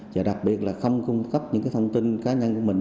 và đặc biệt là không cung cấp những thông tin cá nhân của mình